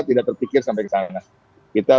tidak terpikir sampai ke sana kita